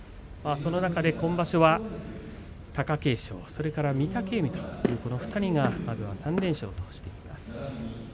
その中で今場所は貴景勝とそれから御嶽海というこの２人がまずは３連勝としています。